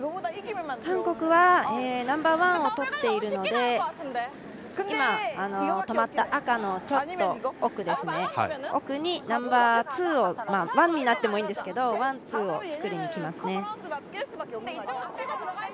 韓国はナンバーワンを取っているので、今、止まった赤のちょっと奥にナンバーツーを、ワンになってもいいんですけどワン、ツーを作りにきますね。